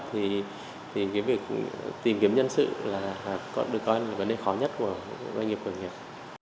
thì cái việc tìm kiếm nhân sự là được coi là vấn đề khó nhất của doanh nghiệp khởi nghiệp